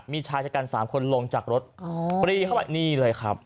มีชายจัดการสามคนลงจากรถอ๋อปรีเข้ามานี่เลยครับ